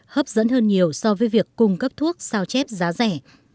hấp dẫn hơn nhiều so với việc cung cấp thuốc sao chép giá rẻ